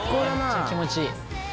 めっちゃ気持ちいい。